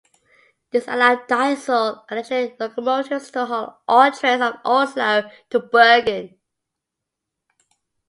This allowed diesel and electric locomotives to haul all trains from Oslo to Bergen.